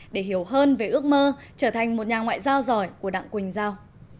để hiểu hơn về ước mơ trở thành một nhà ngoại giao giỏi của đảng quỳnh giao